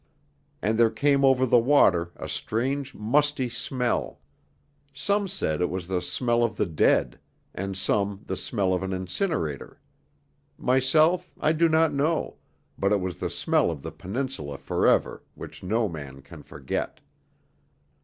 And there came over the water a strange musty smell; some said it was the smell of the dead, and some the smell of an incinerator; myself I do not know, but it was the smell of the Peninsula for ever, which no man can forget.